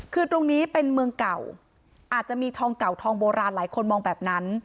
คือตรงนี้เป็นเมืองเก่าอาจจะมีทองเก่าทองโบราณหลายคนมองแบบนั้น